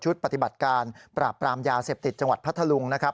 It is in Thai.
ปฏิบัติการปราบปรามยาเสพติดจังหวัดพัทธลุงนะครับ